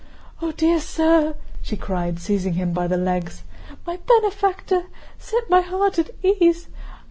"Oh, dear sir!" she cried, seizing him by the legs. "My benefactor, set my heart at ease....